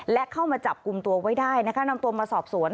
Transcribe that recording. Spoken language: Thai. และเข้ามาจับกลุ่มตัวไว้ได้นะคะนำตัวมาสอบสวน